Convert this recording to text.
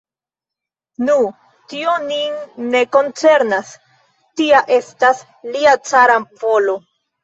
Nu, tio nin ne koncernas, tia estas lia cara volo!